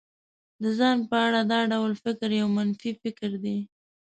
د ځان په اړه دا ډول فکر يو منفي فکر دی.